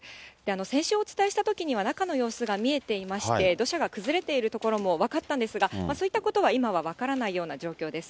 先週お伝えしたときには、中の様子が見えていまして、土砂が崩れている所も分かったんですが、そういったことは今は分からないような状況です。